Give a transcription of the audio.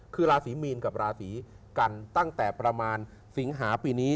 คือราศีมีนกับราศีกันตั้งแต่ประมาณสิงหาปีนี้